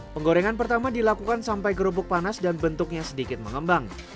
penggorengan pertama dilakukan sampai kerupuk panas dan bentuknya sedikit mengembang